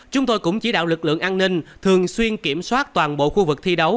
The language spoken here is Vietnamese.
chúng tôi cũng chỉ đạo lực lượng an ninh thường xuyên kiểm soát toàn bộ khu vực thi đấu